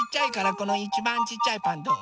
このいちばんちっちゃいパンどう？